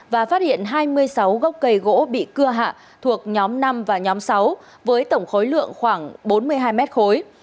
và phát hiện hai mươi sáu gốc cây gỗ bị cưa hạ thuộc nhóm năm và nhóm sáu với tổng khối lượng khoảng bốn mươi hai mét khối